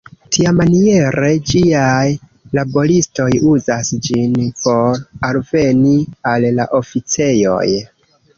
Tiamaniere ĝiaj laboristoj uzas ĝin por alveni al la oficejoj.